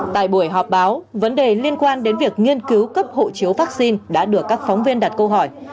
tại buổi họp báo vấn đề liên quan đến việc nghiên cứu cấp hộ chiếu vaccine đã được các phóng viên đặt câu hỏi